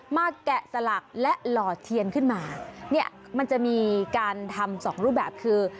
แกะสลักและหล่อเทียนขึ้นมาเนี่ยมันจะมีการทำสองรูปแบบคือ